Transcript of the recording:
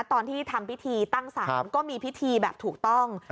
ตอนที่ทำพิธีตั้งศาลก็มีพิธีแบบถูกต้อง